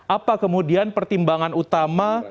apa kemudian pertimbangan utama